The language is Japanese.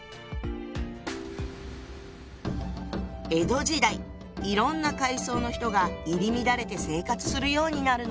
江戸時代いろんな階層の人が入り乱れて生活するようになるの。